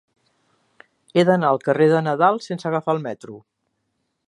He d'anar al carrer de Nadal sense agafar el metro.